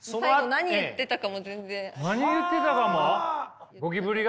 何言ってたかも？